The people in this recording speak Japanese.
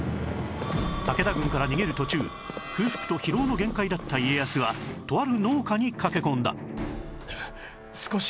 武田軍から逃げる途中空腹と疲労の限界だった家康はとある農家に駆け込んだ